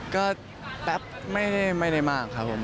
ก็แป๊บไม่ได้มากครับผม